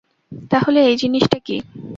তাহলে, এই জিনিসটা কী?